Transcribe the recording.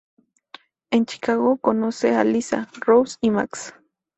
En Chicago conoce a Lisa, Rose y Max.